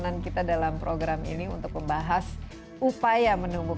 ada tawaran survei